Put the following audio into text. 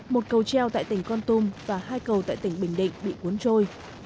một cầu treo tại tỉnh con tum và hai cầu tại tỉnh bình định bị cuốn trôi